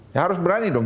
ya harus berani dong